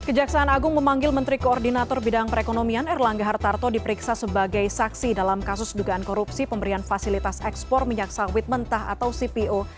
kejaksaan agung memanggil menteri koordinator bidang perekonomian erlangga hartarto diperiksa sebagai saksi dalam kasus dugaan korupsi pemberian fasilitas ekspor minyak sawit mentah atau cpo